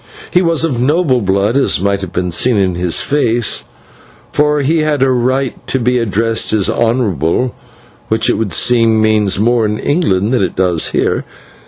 He was of noble blood, as might be seen in his face, for he had a right to be addressed as "honourable," which it would seem means more in England than it does here.